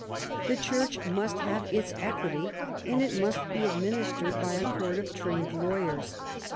The Church must have its equity : and it must be administered by a court of trained lawyers.